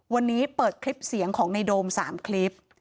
วันนี้เปิดคลิปเสียงของในโดม๓คลิป